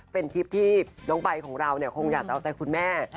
เป็นคลิปที่น้องใบของเราคงอยากจะเอาใจคุณแม่